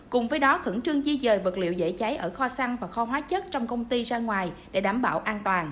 cùng với đó khẩn trương di dời vật liệu dễ cháy ở kho xăng và kho hóa chất trong công ty ra ngoài để đảm bảo an toàn